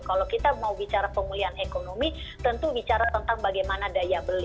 kalau kita mau bicara pemulihan ekonomi tentu bicara tentang bagaimana daya beli